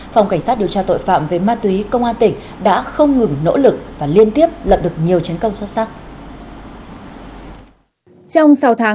phòng cảnh sát điều tra tội phạm về ma túy công an tỉnh đã không ngừng nỗ lực và liên tiếp lập được nhiều chiến công xuất sắc